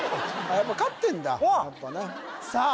やっぱ飼ってんださあ